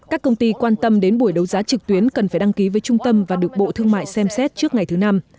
các công ty quan tâm đến buổi đấu giá trực tuyến cần phải đăng ký với trung tâm và được bộ thương mại xem xét trước ngày thứ năm